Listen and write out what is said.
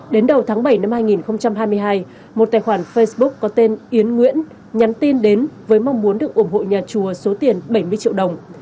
đến đầu tháng bảy năm hai nghìn hai mươi hai một tài khoản facebook có tên yến nguyễn nhắn tin đến với mong muốn được ủng hộ nhà chùa số tiền bảy mươi triệu đồng